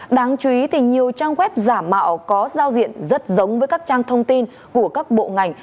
đáng chú ý thì nhiều trang web giả mạo có giao diện rất giống với các trang thông tin của các bộ ngành